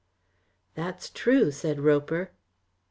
"That's true," said Roper.